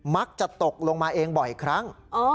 มักจะตกลงมาเองบ่อยครั้ง